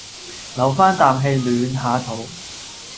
留返啖氣暖下肚